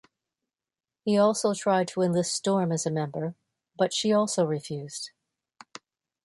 He also tried to enlist Storm as a member, but she also refused.